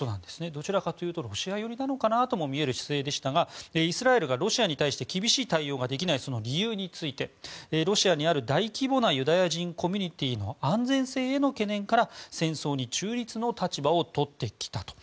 どちらかというとロシア寄りなのかなと見える姿勢でしたがイスラエルがロシアに対して厳しい対応ができないその理由についてロシアにある大規模なユダヤ人コミュニティーの安全性への懸念から戦争に中立の立場を取ってきたと。